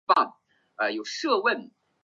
克弗灵是德国巴伐利亚州的一个市镇。